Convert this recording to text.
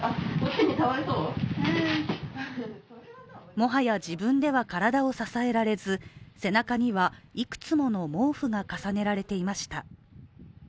もはや、自分では体を支えられず、背中にはいくつもの毛布が重ねられていました。